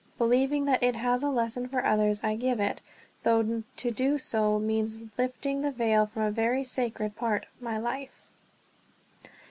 Believing that it has a lesson for others, I give it, though to do so means lifting the veil from a very sacred part of my life.